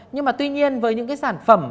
nhưng mà tuy nhiên với những sản phẩm